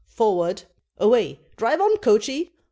"Forward!" Away! "Drive on, coachee!"